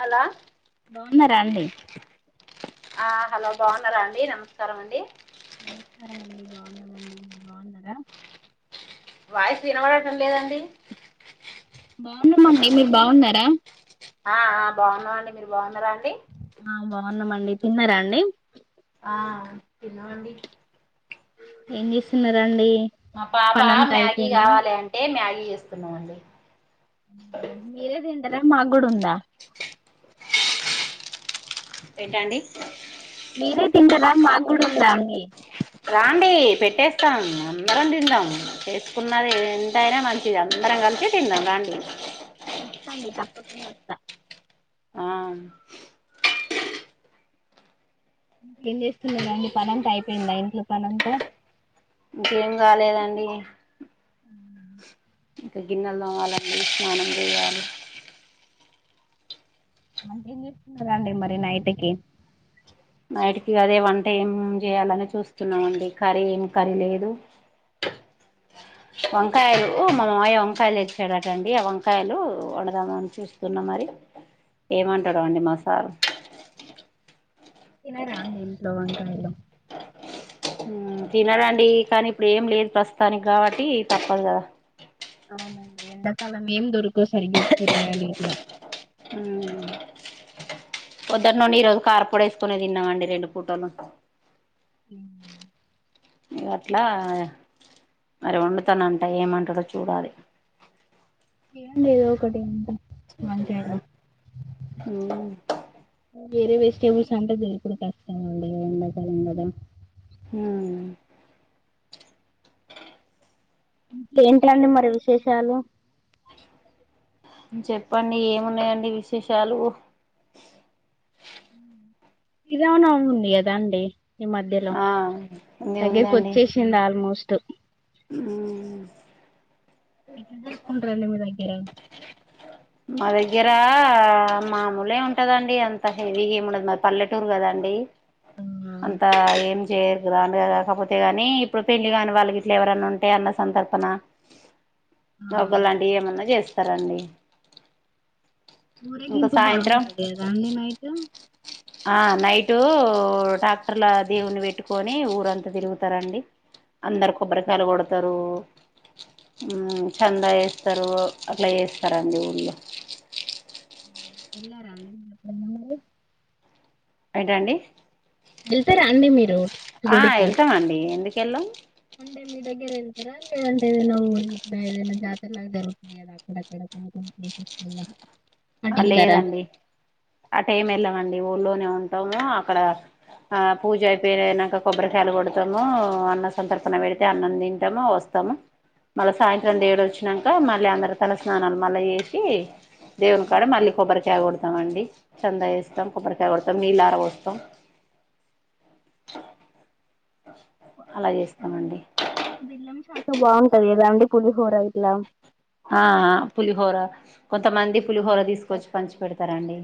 హలా బాగున్నారండి ఆ హలో బాగున్నారా అండి నమస్కారం అండి నమస్కారం అండి బాగున్నానండి మీరు బాగున్నారా వాయిసు వినబడటం లేదండి బాగున్నామండి మీరు బాగున్నారా ఆ బాగున్నాండి మీరు బాగున్నారా అండి ఆ బాగున్నామండి తిన్నారా అండి ఆ తిన్నామండి ఏం చేస్తున్నారండి. మా పాప పనంతా మ్యాగీ అయిపోయిందా కావాలి అంటే మ్యాగీ చేస్తున్నామండి. మాగడుందా. ఏంటండి మాకుడుందా అండి రండి పెట్టేస్తాం అందరం తిందాం. చేసుకున్నది ఎంతైనా మంచిది అందరం కలిసి తిందాం రండి. [unintelligible] [unintelligible] ఆ ఏం చేస్తున్నారా అండి పనంతా అయిపోయిందా, ఇంట్లో పనంతా. ఇంకేం కాలేదండి. ఇంకా గిన్నెలు తోమలండి. స్నానం చేయాలి అంటేం చేస్తున్నదండి మరి నైట్కి నైటికి అదే వంట ఏం చేయాలని చూస్తున్నామండి. కర్రీ ఏం కరీ లేదు. వంకాయలు మా మావయ వంకాయలు తెచ్చాడటండి ఆ వంకాయలు వండదామ అని చూస్తున్నా మరి ఏమంటాడు అండి మా సారు. తినరా అండి ఇంట్లో వంకాయలు ఊ తినడండి కానీ ఇప్పుడు ఏం లేదు ప్రస్తుతానికి కాబట్టి తప్పదు కదా. అవునండి ఎంతకాలం ఏం దొరుకవు సరిగా కూరాగాయలు ఇంట్లో. అ పొద్దటి నుండి ఈ రోజు కార్పడి వేసుకునే తిన్నామండి రెండు పూటలు. ఇ ఇ అట్లా మరి వండుతాన అంట ఏమంటాడో చూడాలి. ఏండిద ఒకటి అంత అ ఊ వేరే వెజిటేబుల్స్ అంటే జరుపుడు కష్టం గా ఉంది ఎండకాలం కదా. హ్మ్ ఏట్లండి మరి విశేషాలు చెప్పండి ఏమున్నాయండి విశేషాలు ఇద అనా ఉంది కదా అండి ఈ మధ్యలో ఆ ఉంది దగ్గరికి వచ్చేసింది ఆల్మోస్ట్. ఊ ఎట్లా జరుపుకుంటారండి మీదగ ఏం మా దగ్గర మాముూలే ఉంటదండి. అంత హెవీ ఏముండదు మాది పల్లెటూరు కదండి. ఆ అంతా ఏం చేయరు కదా అగా కాకపోతే గాని ఇప్పుడు పెళ్లి గాని వాళ్ళకి ఇట్లా ఎవరనా ఉంటే అన్న సంతర్పన. ఆ మగలాండి ఏమన్నా చేస్తా సరండి ఊరేగింపు సాయంత్రం బాగుంటంది అద అండి నైట్ ఆ నైటు ట్రాక్టర్ల దేవుని పెట్టుకొని ఊరంతా తిరుగుతారండి అందరు కొబ్బరికాయలు కొడతారు చంద వేస్తారు అట్లా వేస్తారండి ఇంగ ఎలారండీ [unintelligible] ఏంటండి వెళ్తారా అండి మీరు ఆ గుడికి వెళ్తామండి ఎందుకు కేలం అంటే మీ దగ్గర వెళ్తారా లేదంటే ఏదైనా ఊరికి బయలనా జాతర లాగా జరుగుతుంది కదా అక్కడక్కడ కొన్ని కొన్ని ప్లేసెస్ల అ లేదండి ఆ టైం వెళ్ళవండి ఊలోనే ఉంటాము అక్కడ ఆ పూజ అయిపోయినాక కొబ్బరికాయలు కొడతాము అన్న సంతర్పణ పెడితే అన్నం తింటాము వస్ స్తాము మళ్ళా సాయంత్రండేడు వచ్చినాక మళ్ళీ అందరి తలస్నానాలు మళ్ళీ చేసి ఆ దేవునుకాడా మళ్లి కొబ్బరకాయ కోడ్ త్తమండి చంద వేస్తాం కొబ్బరికాయ కొడతాం నీళ్ళర పోస్తాం అలాచేస్ చెమండి బిల్లం చాఖ బాగుంటది కదండీ పులిహోర ఇట్లా ఆ పులిహోర కొంతమంది పులిహోర తీసుకొచ్చి పంచి పెడతారాండి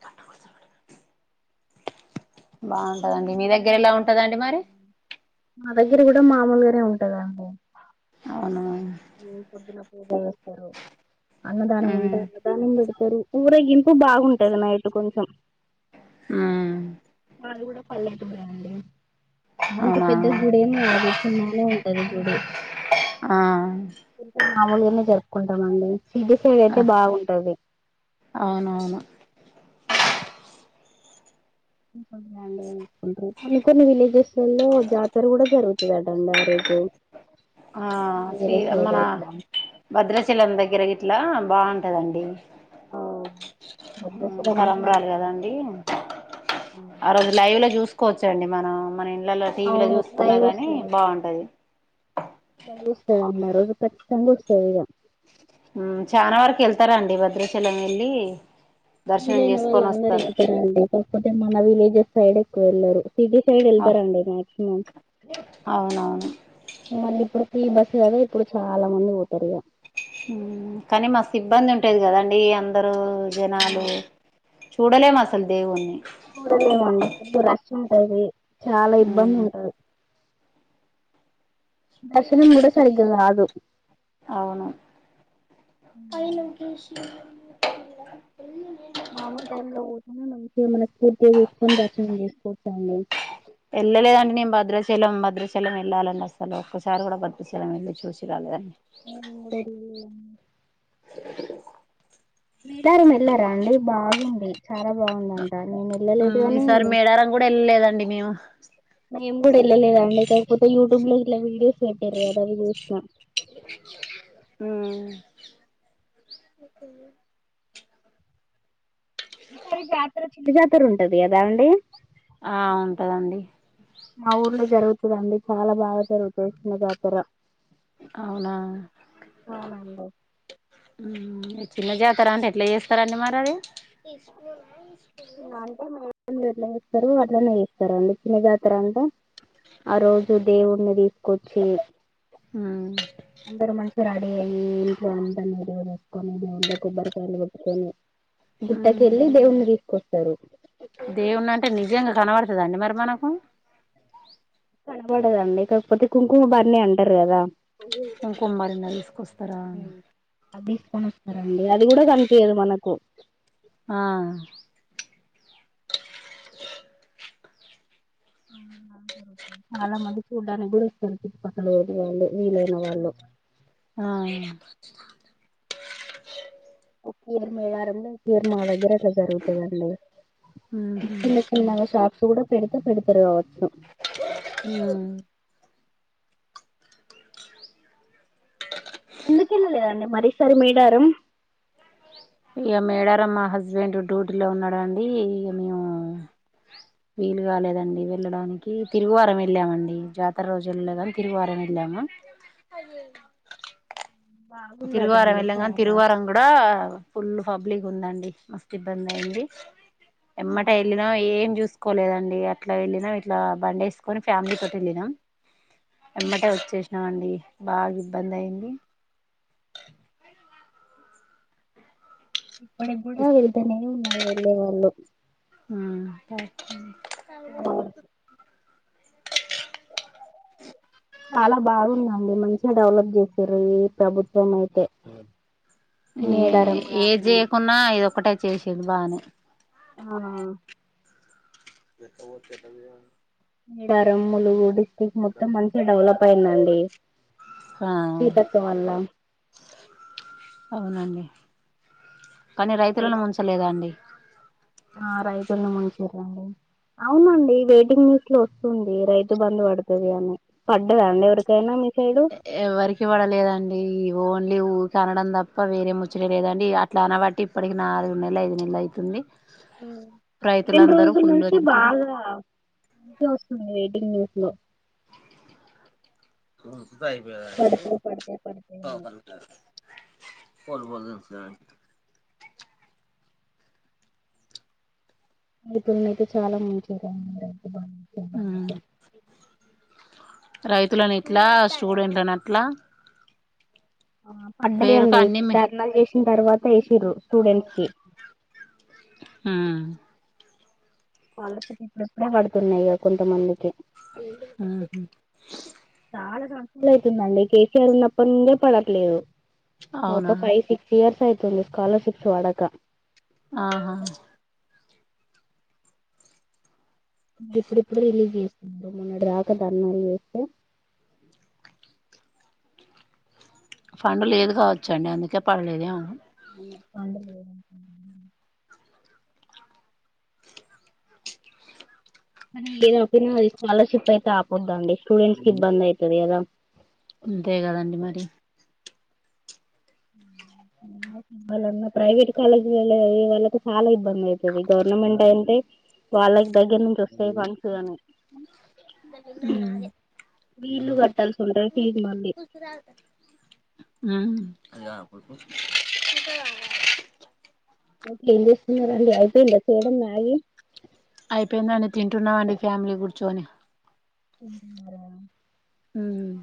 [unintelligible] కొన్ని బాగుంటదండి మీ దగ్గర ఊర్లలో ఎలా బాగా ఉంటదండి మరి మా దగ్గర కూడా మామూలు గానే ఉంటదండి అవును పొద్దిన ఏద వస్తారు అన్నదాం ఉంట మ్మ్ అన్నదాండు ఊరగింపు బాగుంటంది నైట్ కొంచెం మ్మ్ మాది కూడా పల్లె ఓకే అండి అంత పెద్ద అవునా గుడేం కాదు చిన్నగ నే ఉంటది గుడి ఆ ఎంతమ మామూల్ గానే జరుపుకుంటాం అండి సిద్ధసైడ్ అయితే బాగుంటది అవునువును అండి కొన్ని కొన్ని విలేజెస్లలో జాతర కూడా జరుగుతద అంట ఆ రోజు ఆ శ్రీ వేరే సైడ్ మన ఇట్లా భద్రాచీలం దగ్గరకి ఇట్లా బాగుంటదండి వదిలేసడం అంటే తాళంబ్రాలు కదండి ఆ రోజు లైవ్ లో చూసుకు చ్చండి మనం మన ఇల్లల టీవీలో అవును చూసుకున్నా లైవ్ గాని బాగుంటది న్నారు కచ్చితంగా వస్తాది యిగా చనా వరకు వెళ్తారండి భద్రాచలం వెళ్ళి దర్శనం వీలైన వాళ్ళు చేసుకొని అందరూ వస్తారు ఇంటరండి మన విలేజెస్ సైడ్ ఎక్కువ వెళ్లరు సిటీ సైడ్ వెళ్తారండి మక్సిమం అవునవును మళ్ళీ ఇప్పుడు ఫ్రీ బస్సు కదా ఇప్పుడు చాలా మంది పోతారుద కానీ మస్త్ ఇబ్బంది ఉంట దు కదండి అందరు జనాలు చూడలేం అసలు దేవున్ని చడలేవండి కొ రష్ ఉంటది చాలా ఇబ్బంది ఉంటది దర్శనం కూడ సరిగ్గగాదు అవును [inaudible] మామలు టైంలో పోతేనె మంచిగ మనస్ఫూర్తిగా చసుకొని దర్శన చేసుకోవచ్చండి చలం భద్రచలం వెళ్ళాలండి అసలు ఒక్కసారి కూడా భద్రచలం వెళ్ళి చూసి రాలేదని మన్ కూడా ఎల్లి విడారం వెళ్లరా అండి బాగుంది చాలా బాగుందంట నేను వెళ్ళలేదు కాని ఈసారి మేడారం కూడా వెళ్ళలేదండి మేము మేం కూడా వెళ్ళలేదా అండి కాకపోతే యూట్యూబ్ లో ఇలా వీడియోస్ పెట్టారు కదావి చూసినా మ్మహ్ మ్మ్ ఈసారి జాతర చిన్న జాతర ఉంటది కదా అండి ఆ ఉంటదండి మా ఊర్లో జరుగుతుందండి చాలా బాగా జరుగుతుది చిన్న జాతర అవునా అవునండి చిన్న జాతార అంటే ఎట్లా చేస్తారడి మరది ఈ స్కూల్ స్కూల్ ఎట్లా ఇస్తారు అట్లనే ఇస్తారు అండి చిన్న జాతర అంటే ఆ రోజు దేవుడిని తీసుకొచ్చి మ్మ్ అందరు మంచిగా రెడీ అయ్యి ట్లో ఉంట మీరు వసుక్కొని బంట కొబ్బరికాయలు కొట్కొని గుట్టకి ఎలి దేవున్ని తీసుకో సరు దేవున్నా అంటే నిజంగా కనబడతుంది అదా అన్ని మరిమానకు కనబడదండి కాకపోతే కుంకుమ బన్ని అంటారు కదా ఇంకమ్మడినా తీసుకొస్తారా అని అది తీసుకొని వస్తారండి అది కూడా కనిపించదు మనకు ఆ రుగుతుంది చాలా మంది చూడ్డానికి కూడా ఇస్తారు చుట్టుక్కల పోడి వాళ్ళు వీలైన వాళ్ళు ఆ కేర్మలారంంద కేర్ మాాల దగ్రట్ జరుగుతుందండి మ్మ్ హ్మ్ చిన్న చిన్నగా చ కూడా పెడతే పెడతారు కాబట్టి అ ఎందుకు వెళ్ళలేదండి మరసారి మీడారం ఇక మేడారం మా హస్బెండ్ డ్యూటీలో ఉన్నాడంండి ఇక మేము వీలు కాలేదండి వెళ్ళడానికి తిరుగువారం వెళ్ళామండి జాతర రోజు వెళ్ళలేదని తిరుగువారం వెళ్ళాము బాగుందట తిరువారం అండి వెళ్ళంగా చాలా తిరువారం కూడా ఫుల్లు పబ్లిక్ ఉందండి మస్తు ఇబ్బంది అయ్యింది ఎమ్మటే ఎళ్ళినాం ఏం చూసు కోలేదండి అట్లా వెళ్ళినాం ఇట్లా బండ వేసుకొని ఫ్యామిలీ తోటి వెళ్ళినాం ఆ ఎమ్మట వచ్చేసినావండి బాగిబ్బంద్ అయ్యింది ఇప్పటికి కూడా వెళ్తానే ఉన్నారు వెళ్ళే వాళ్ళు ప్యాకింగ్ చాలా బావుందండి మంచిగా డెవలప్ చేసారు ఈ ప్రభుత్వం అయితే ఏ మేడారం ఏంది గానీ చేయకున్నా ఇదొక్కటే చేసిడు బానే ఆహా [unintelligible] [unintelligible] రమ్ములు గుడి [inaudible] మొత్తం మంచిగా డవలప్ పైనండి ఆ అవునండి కానీ రైతులను ముంచలేదండి ఆ రైతుని ముంచిరండి అవునండి వెయిటింగ్ లిస్ట్ లో వస్తుంది రైతు బందు పడతది అని పడ్డాదా అండి ఎవరికైనా మీక్ ఎ ఎవరికి పడలేదండి ఈ ఓన్ ఇ ఊకే అనడం తప్ప వేరే ముచ్చటే లేదండి అట్లా అనవట్టి ఇప్పటికి నాలుగు నెల ఐదు నెల అయితుంది మ్మ్ రెండ్ రైతులందరూ రోజుల ఫుల్లు నుంచి తిడుతురు బాగ మంచిగ వస్తుంది వెయిటింగ్ లిస్ట్ లో ఆ అంతా అయిపోయే పడతాయి పడతాయి పడతాయి అని [unintelligible] పొడుపొన్సా ఇతన్నైతే చాలా ముంచారండి మ్మ్ రైతులన్ ఇట్లా స్టూడెంట్లన్ అట్లా ఆ పేరుకు పడ్డాయండి అన్ని మీ ధర్నాలు చేషి దీన్ తర్వాత ఎష్ రు స్టూడెంట్స్కి ఆ స్కాలర్షిప్ ఇప్పుడ్ ఇప్పుడే పడుతున్నాయి కొంతమందికి ఆహు అస్ల్ అయితుందండి కేసీఆర్ ఉన్నప్పడనుండే పడట్లేదు ఒక అవునా ఫైవ్ సిక్స్ ఇయర్స్ అయితుం తుంది స్కాలర్షిప్స్ పడక ఆహా మరి ఇప్పుడుప్పుడు రిలీజ్ చేస్తుండు మొన్నటి దాక ధర్నాలు చేస్తే ఫండ్ లేదు కావచ్చు అండి అందుకే పడలేదేమొ ఫండ్ లేదు [inaudible] మనీ ఏదో ఒపీనియన్ ఈ స్కాలర్షిప్ అయితే ఆపోద్దండి స్టూడెంట్స్ కి ఇబ్బంది అయితది కదా అంతే కదండి మరి రావాలన్నా ప్రైవేట్ కాలేజ్ వేళ్ళే వాళ్ళకు చాలా ఇబ్బంది అయిత ఇది గవర్నమెంట్ అంటే వాళ్ళకి దగ్గర నుంచి వస్తాయి ఫండ్సుగాని ఉమ్ వీళ్లు కట్టాల్సుంటాయి ఫీజు మళ్ళీ [inaudible] అయితే ఏం చేస్తున్నరండి అయిపోయిందా చేయడం మాగీ అయిపోయిందని తింటున్నా అండి ఫ్యామిలీ గుడ్ చోని తింటున్నారా మ్మ్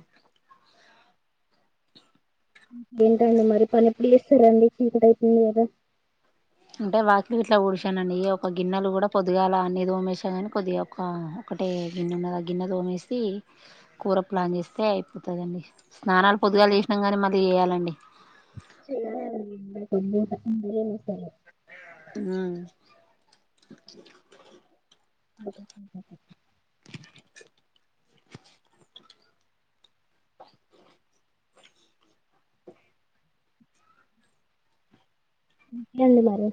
మ్మ్ ఏంటండి మరి పని ఎప్పుడు చేస్తారండి చీకట అయితుంది కదా అంటే వాకిలు గిట్లా ఊడిశానండి ఇగ ఒక గిన్నెలు కూడా పొద్దుగాల అన్ని తోమెషిన కాని కొద్దిగా ఒక ఒకటే గిన్నె ఉన్నది ఆ గిన్నె తోమేసి కూర ప్లాన్ చేస్తే అయిపోతందండి స్నానాలు పొదుగాలు చేషినం కానీ మళ్ళీ చేయాలండి కొంద [unintelligible] మీరేం చేస్తారు అ అ లేదు మరి